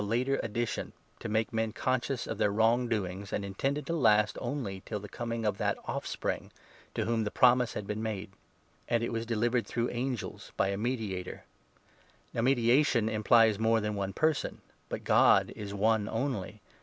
later addition, to make men conscious of their wrong doings, and intended to last only till the coming of that ' offspring ' to whom the promise had been made ; and it was delivered through angels by a mediator. Now 20 mediation implies more than one person, but God is one only.